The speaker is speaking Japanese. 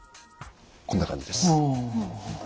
こんな感じです。